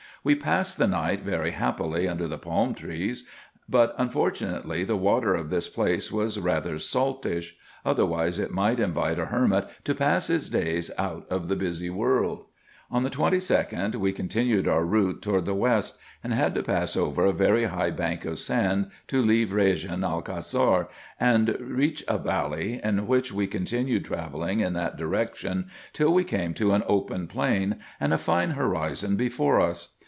We passed the night very happily under the palm trees ; but, unfortunately, the water of this place was rather saltish, otherwise it might invite a hermit to pass his days out of the busy world. On the 22d we continued our route toward the west, and had to pass over a very high bank of sand to leave Eejen el Cassar and reach a valley, in which we continued travelling in that direction till we came to an open plain, and a fine horizon before us.